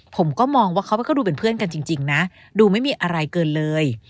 ผมก็มองว่าเขาก็ดูเป็นเพื่อนกันจริงนะดูไม่มีอะไรเกินเลย